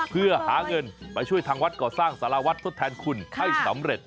เพื่อหาเงินไปช่วยทางวัดก่อสร้างสารวัตรทดแทนคุณให้สำเร็จ